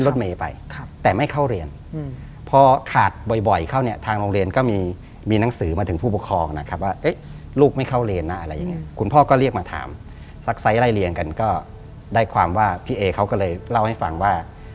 ได้เรียนกันก็ได้ความว่าพี่เอ๋เขาก็เลยเล่าให้ฟังว่า